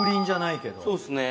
そうですね。